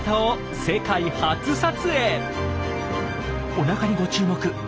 おなかにご注目。